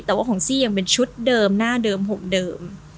แต่ของซี่กันเป็นชุดหน้าเดิมห่อเดิม